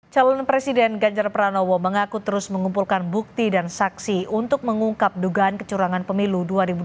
calon presiden ganjar pranowo mengaku terus mengumpulkan bukti dan saksi untuk mengungkap dugaan kecurangan pemilu dua ribu dua puluh